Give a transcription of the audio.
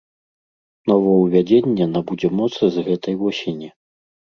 Новаўвядзенне набудзе моц з гэтай восені.